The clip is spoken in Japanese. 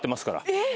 えっ？